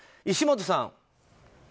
石本さん。